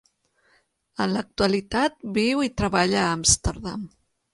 En l'actualitat, viu i treballa a Amsterdam.